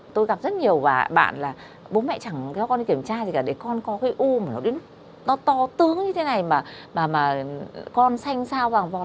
tôi gặp rất nhiều và bạn là bố mẹ chẳng theo con đi kiểm tra gì cả để con có hơi u mà nó to tướng như thế này mà con xanh sao vàng vọt